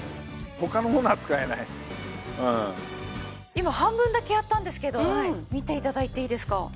今半分だけやったんですけど見て頂いていいですか？